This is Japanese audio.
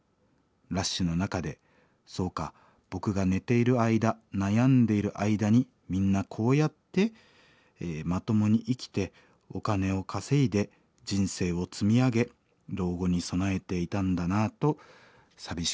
ラッシュの中でそうか僕が寝ている間悩んでいる間にみんなこうやってまともに生きてお金を稼いで人生を積み上げ老後に備えていたんだなと寂しくなる。